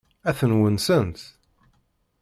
Ad ten-wansent?